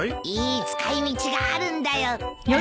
いい使い道があるんだよ。